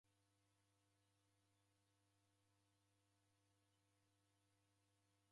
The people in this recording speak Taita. Kutane na iro chia rako risefwane.